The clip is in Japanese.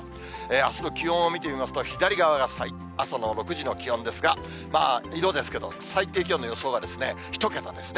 あすの気温を見てみますと、左側が朝の６時の気温ですが、色ですけど、最低気温の予想が１桁ですね。